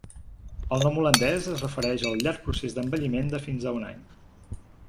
El nom holandès es refereix al llarg procés d'envelliment, de fins a un any.